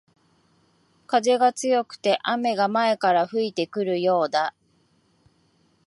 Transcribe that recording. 風が強くて雨が前から吹いてくるようだ